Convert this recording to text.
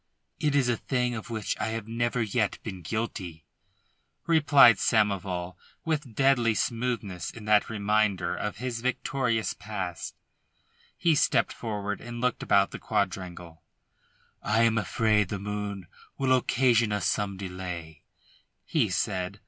It is a thing of which I have never yet been guilty," replied Samoval, with deadly smoothness in that reminder of his victorious past. He stepped forward and looked about the quadrangle. "I am afraid the moon will occasion us some delay," he said.